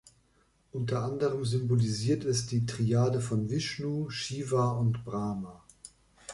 Unter anderem symbolisiert es die Triade von Vishnu, Shiva und Brahma.